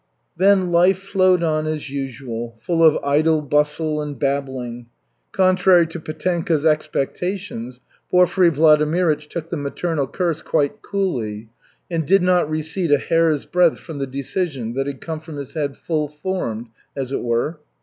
Then life flowed on as usual, full of idle bustle and babbling. Contrary to Petenka's expectations, Porfiry Vladimirych took the maternal curse quite coolly and did not recede a hair's breadth from the decision that had come from his head full formed, as it were.